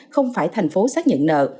không phải tp hcm xác nhận nợ